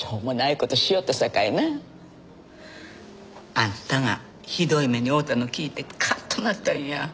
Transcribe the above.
あんたがひどい目に遭うたの聞いてカッとなったんや。